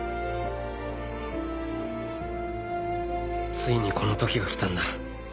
ついにこのときが来たんだ